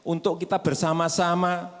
untuk kita bersama sama